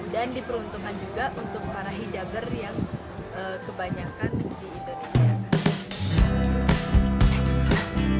dan diperuntukkan juga untuk para hijaber yang kebanyakan di indonesia